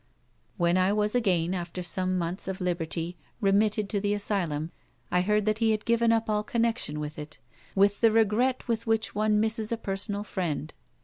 When I was again, after some months of liberty, remitted to the asylum, I heard that he had given up all connection with it, with the regret with which one misses a personal friend.